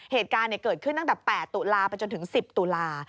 เหตุการณ์เกิดขึ้นตั้งแต่๘ตุลาไปจนถึง๑๐ตุลา